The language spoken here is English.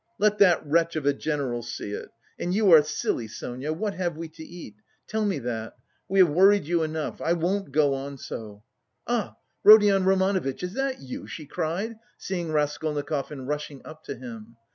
"Let that wretch of a general see it! And you are silly, Sonia: what have we to eat? Tell me that. We have worried you enough, I won't go on so! Ah, Rodion Romanovitch, is that you?" she cried, seeing Raskolnikov and rushing up to him.